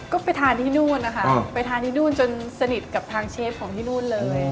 ก็ไปทานที่นู่นนะคะไปทานที่นู่นจนสนิทกับทางเชฟของที่นู่นเลย